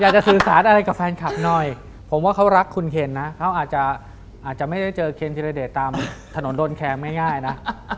จะสื่อสารอะไรกับแฟนคลับหน่อยผมว่าเขารักคุณเคนนะเขาอาจจะไม่ได้เจอเคนธิรเดชตามถนนโดนแคร์ง่ายนะ